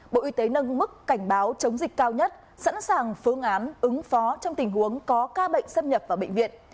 bộ y tế nâng mức cảnh báo chống dịch cao nhất sẵn sàng phương án ứng phó trong tình huống có ca bệnh xâm nhập vào bệnh viện